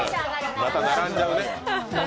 また並んじゃうね。